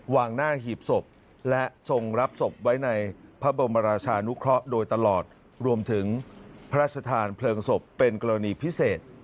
วางหน้าหีบศพและทรงรับศพไว้ในพระบรมราชานุเคราะห์โดยตลอดรวมถึงพระราชทานเพลิงศพเป็นกรณีพิเศษ